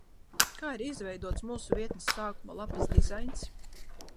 Kā ir izveidots mūsu vietnes sākuma lapas dizains?